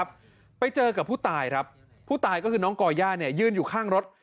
ไปเจอกับผู้ตายครับผู้ตายก็คือน้องก่อย่าเนี่ยยืนอยู่ข้างรถ